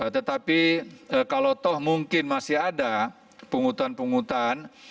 tetapi kalau toh mungkin masih ada penghutang penghutan